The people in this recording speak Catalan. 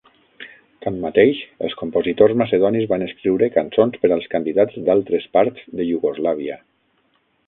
Tanmateix, els compositors macedonis van escriure cançons per als candidats d"altres parts de Iugoslàvia.